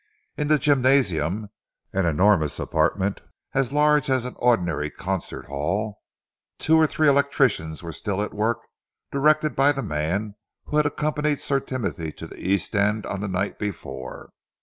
In the gymnasium, an enormous apartment as large as an ordinary concert hall, two or three electricians were still at work, directed by the man who had accompanied Sir Timothy to the East End on the night before.